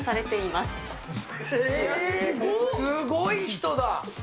すごい人だ。